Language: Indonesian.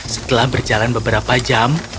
setelah berjalan beberapa jam